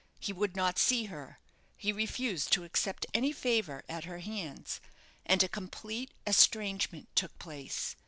He would not see her. He refused to accept any favour at her hands, and a complete estrangement took place.